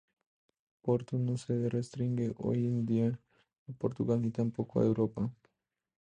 Porto no se restringe, hoy en día, a Portugal, ni tan poco a Europa.